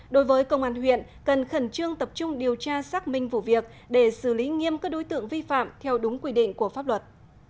đối với công an huyện cần khẩn trương tập trung điều tra xác minh vụ việc để xử lý nghiêm các đối tượng vi phạm theo đúng quy định của pháp luật